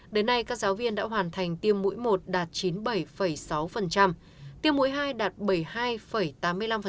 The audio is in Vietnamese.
đến nay các giáo viên đã hoàn thành tiêm mũi một đạt chín mươi bảy sáu tiêm mũi hai đạt bảy mươi hai tám mươi năm